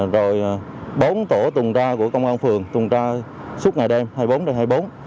rồi bốn tổ tùng tra của công an phường tùng tra suốt ngày đêm hai mươi bốn h hai mươi bốn h